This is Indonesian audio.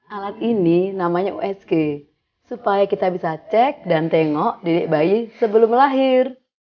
alat ini namanya usg supaya kita bisa cek dan tengok didik bayi sebelum lahir